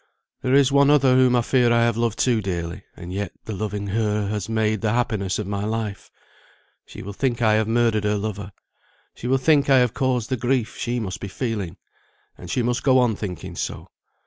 There is one other whom I fear I have loved too dearly; and yet, the loving her has made the happiness of my life. She will think I have murdered her lover; she will think I have caused the grief she must be feeling. And she must go on thinking so.